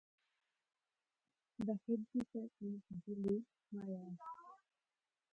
The head teacher is Jilly Myers.